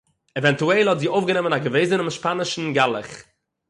עווענטועל האָט זי אויפגענומען אַ געוועזענעם שפּאַנישן גלח